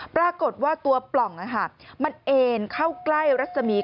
ปรากฏว่าตัวปล่องมันเอ็นเข้าใกล้รัศมีร์